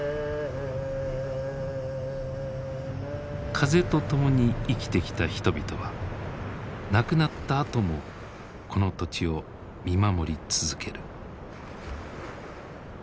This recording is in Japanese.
風と共に生きてきた人々は亡くなったあともこの土地を見守り続ける。